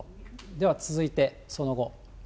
では、続いて、その後。